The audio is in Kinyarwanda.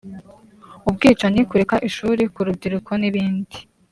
ubwicanyi kureka ishuri ku rubyiruko n’ibindi